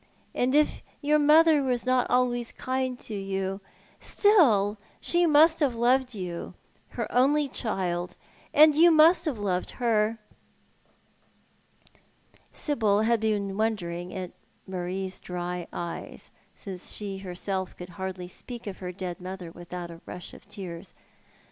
And if your mother was not always kind to you — still she must have loved you — her only child— and you must have loved her." Sibyl had been wondering at Marie's dry eyes, since she herself could hardly speak of her dead mother without a rush of tears.